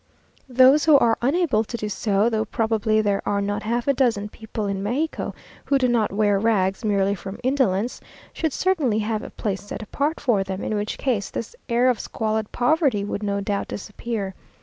Those who are unable to do so, though probably there are not half a dozen people in Mexico who do not wear rags merely from indolence, should certainly have a place set apart for them, in which case this air of squalid poverty would no doubt disappear.